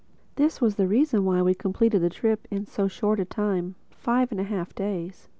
This was the reason why we completed the trip in so short a time—five and a half days.